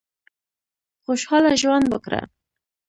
خوشاله ژوند وکړه.